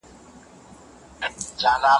تأثیر ولاړ سي